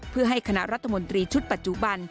เพื่อให้คณะรัฐมนตรีชุดปัจจุบัน